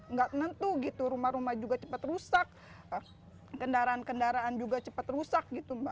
nggak nentu gitu rumah rumah juga cepat rusak kendaraan kendaraan juga cepat rusak gitu mbak